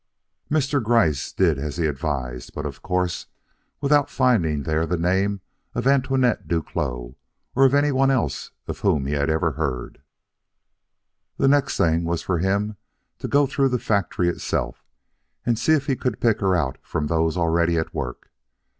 Mr. Gryce did as he advised, but of course without finding there the name of Antoinette Duclos or of anyone else of whom he had ever heard. The next thing was for him to go through the factory itself and see if he could pick her out from those already at work.